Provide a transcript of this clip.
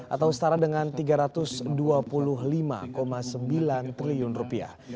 atau setara dengan tiga ratus dua puluh lima sembilan triliun rupiah